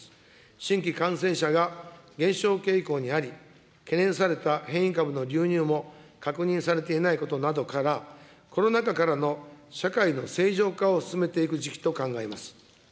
新規感染者が減少傾向にあり、懸念された変異株の流入も確認されていないことなどから、コロナ禍からの社会の正常化を進めていく時期と考えます。